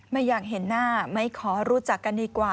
ไม่อยากเห็นหน้าไม่ขอรู้จักกันดีกว่า